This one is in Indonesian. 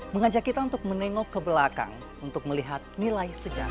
mengajak kita untuk menengok ke belakang untuk melihat nilai sejarah